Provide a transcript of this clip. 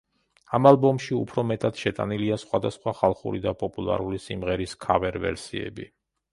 ამ ალბომში უფრო მეტად შეტანილია სხვადასხვა ხალხური და პოპულარული სიმღერის ქავერ-ვერსიები.